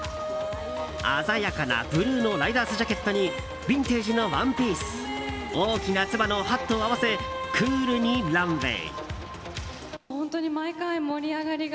鮮やかなブルーのライダースジャケットにビンテージのワンピース大きなつばのハットを合わせクールにランウェー。